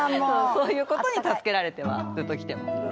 そういうことに助けられてはずっときてますね。